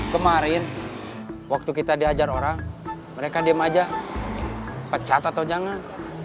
kemarin waktu kita diajar orang mereka diem aja pecat atau jangan